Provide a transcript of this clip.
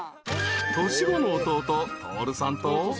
［年子の弟徹さんと］